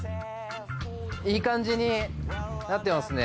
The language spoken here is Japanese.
いい感じになってますね。